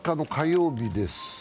６月２０日の火曜日です。